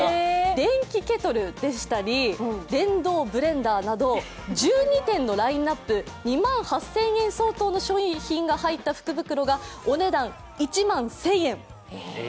電気ケトルでしたり、電動ブレンダーなど１２点のラインナップ、２万８０００円相当の商品が入った福袋がお値段１万１０００円。